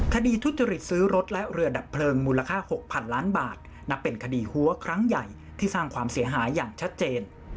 ทุจริตซื้อรถและเรือดับเพลิงมูลค่า๖๐๐๐ล้านบาทนับเป็นคดีหัวครั้งใหญ่ที่สร้างความเสียหายอย่างชัดเจน